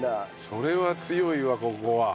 それは強いわここは。